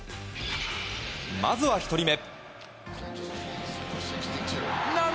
まずは１人目。